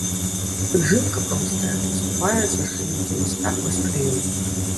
Жылка простая, выступае з верхавінкі ліста вастрыём.